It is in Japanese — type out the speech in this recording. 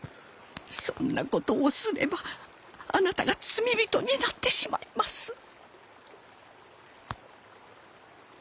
そんなことをすればあなたが罪人になってしまいます。